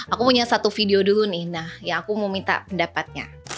aku punya satu video dulu nih nah ya aku mau minta pendapatnya